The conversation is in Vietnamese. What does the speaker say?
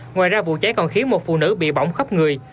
ngoài ra vụ cháy còn khiến một phụ nữ bị bỏng khắp người